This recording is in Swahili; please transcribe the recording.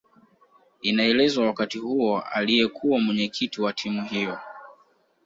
Inaelezwa wakati huo aliyekuwa Mwenyekiti wa timu hiyo